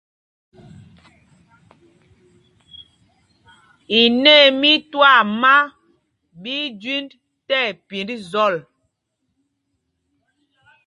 Inâ í mí twaama ɓí í jüind tí ɛpind zɔl.